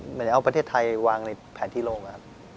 เหมือนจะเอาประเทศไทยวางในแผนที่โลกนะครับ